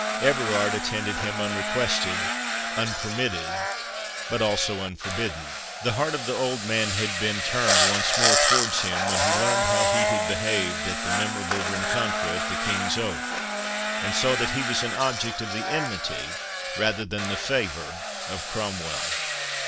Everard attended him unrequested, unpermitted, but also unforbidden. The heart of the old man had been turned once more towards him when he learned how he had behaved at the memorable rencontre at the King's Oak, and saw that he was an object of the enmity, rather than the favour, of Cromwell.